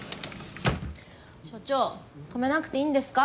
所長止めなくていいんですか？